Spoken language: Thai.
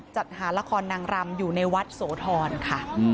จัดหาละครนางรำอยู่ในวัดโสธรค่ะ